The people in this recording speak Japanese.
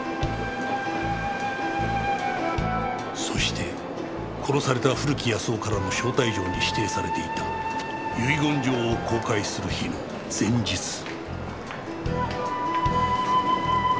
そして殺された古木保男からの招待状に指定されていた遺言状を公開する日の前日